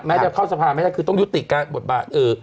แม้เดี๋ยวเข้าสภาพไม่ได้คือต้องยุติกบทบาท